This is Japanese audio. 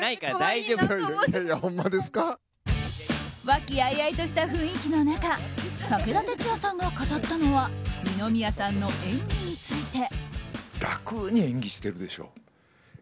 和気あいあいとした雰囲気の中武田鉄矢さんが語ったのは二宮さんの演技について。